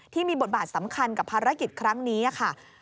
ที่มีบทบาทสำคัญกับภารกิจครั้งนี้ค่ะ